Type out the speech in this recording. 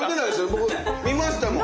僕見ましたもん。